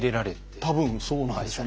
多分そうなんですよね。